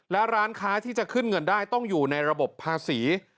และร้านค้าที่จะขึ้นเงินได้ต้องอยู่ในระบบภาษี